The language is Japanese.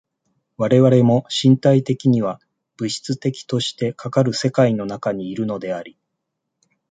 我々も身体的には物質的としてかかる世界の中にいるのであり、